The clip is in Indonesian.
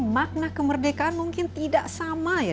makna kemerdekaan mungkin tidak sama ya